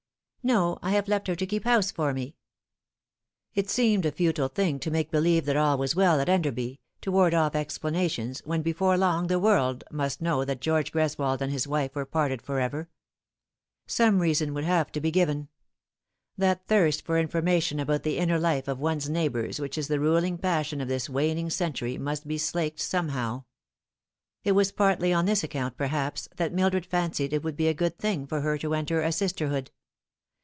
" No, I have left her to keep house for me." It seemed a futile thing to make believe that all was well at Enderby, to ward oif explanations, when before long the world must know that George Greswold and his wife were parted for ever. Some reason would have to be given. That thirst for information about the inner life of one's neighbours which is the ruling passion of this waning century must be slaked some how. It was partly on this account, perhaps, that Mildred fancied it would be a good thing for her to enter a sisterhood.